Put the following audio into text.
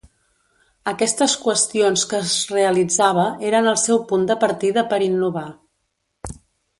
Aquestes qüestions que es realitzava eren el seu punt de partida per innovar.